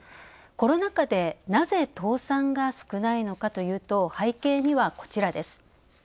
コロナ禍で、なぜ倒産が少ないのかというと背景には、こちらです。